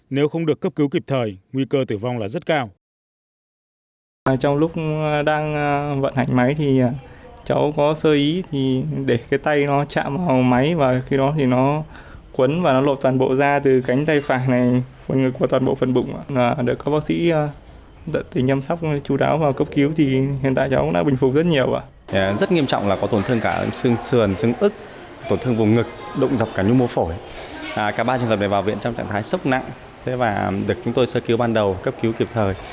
nếu không được cấp cứu kịp thời nguy cơ tử vong là rất cao